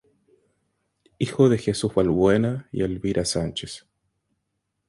Hijo de Jesús Valbuena y Elvira Sánchez.